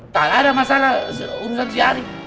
tak ada masalah urusan siarik